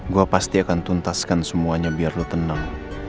gue pasti akan tuntaskan semuanya biar lo tenang